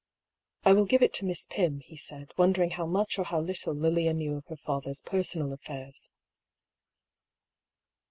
" I will give it to Miss Pym," he said, wondering how much or how little Lilia knew of her father's per sonal affairs.